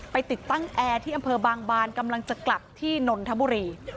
ติดตั้งแอร์ที่อำเภอบางบานกำลังจะกลับที่นนทบุรี